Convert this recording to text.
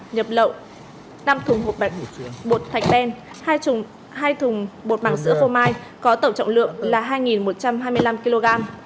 nhập lậu năm thùng hộp bột thạch đen hai thùng bột màng sữa phô mai có tổng trọng lượng là hai một trăm hai mươi năm kg